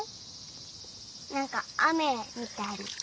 なんかあめみたいに。